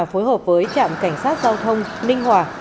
phối hợp với trạm cảnh sát giao thông ninh hòa